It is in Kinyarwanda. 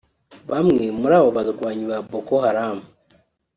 Bamwe muri aba barwanyi ba Boko Haram